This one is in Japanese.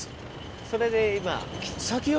それで今。